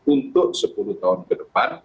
untuk sepuluh tahun ke depan